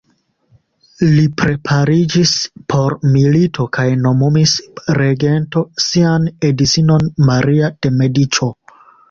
Li prepariĝis por milito kaj nomumis regento sian edzinon, Maria de Mediĉo.